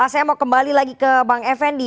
saya mau kembali lagi ke bang effendi